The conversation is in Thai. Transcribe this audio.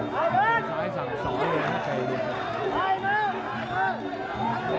สายทางซ้อนนี่นะลูก